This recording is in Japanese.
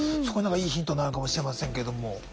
そこが何かいいヒントになるかもしれませんけれども。